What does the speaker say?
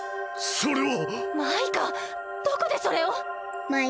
それは！